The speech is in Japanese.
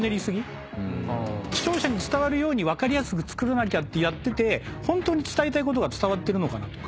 視聴者に伝わるように分かりやすく作らなきゃってやってて本当に伝えたいことが伝わってるのかなとか。